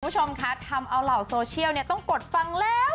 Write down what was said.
คุณผู้ชมคะทำเอาเหล่าโซเชียลต้องกดฟังแล้ว